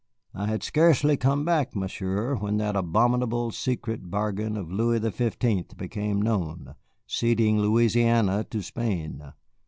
I had scarcely come back, Monsieur, when that abominable secret bargain of Louis the Fifteenth became known, ceding Louisiana to Spain.